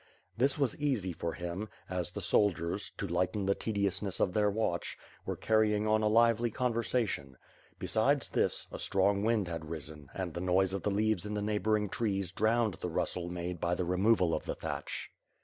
This was easy for him, as the soldiers, to lighten the tediousness of their watch, were carrying on a lively conver sation. Besides this, a strong wind had risen and, the noise of the leaves in the neighboring trees drowned the rustle made by the removal of the thatch.